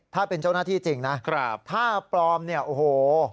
ถ้าเป็นเจ้าหน้าที่จริงนะถ้าปลอมเนี่ยโอ้โห